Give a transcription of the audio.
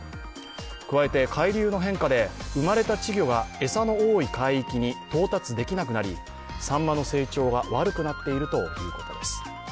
加えて、海流の変化で生まれた稚魚が餌の多い海域に到達できなくなり、さんまの成長が悪くなっているということです。